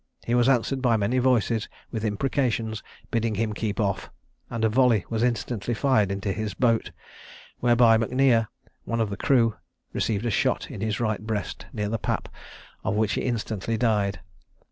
He was answered by many voices with imprecations, bidding him keep off; and a volley was instantly fired into his boat, whereby M'Nier, one of the crew, received a shot in his right breast, near the pap, of which he instantly died.